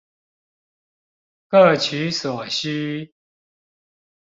各取所需